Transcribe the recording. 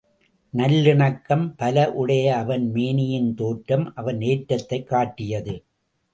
நல்லிலக்கணம் பல உடைய அவன் மேனியின் தோற்றம் அவன் ஏற்றத்தைக் காட்டியது.